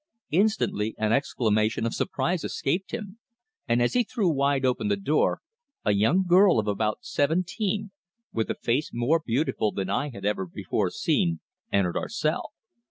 Instantly an exclamation of surprise escaped him, and as he threw wide open the door, a young girl of about seventeen, with a face more beautiful than I had ever before seen, entered our cell.